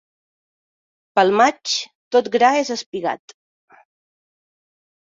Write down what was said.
Pel maig tot gra és espigat.